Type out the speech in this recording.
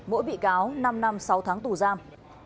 mỗi bị cáo năm năm sáu tháng tù giam